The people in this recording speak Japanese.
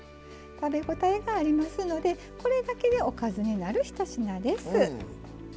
食べ応えがありますのでこれだけでおかずになる１品です。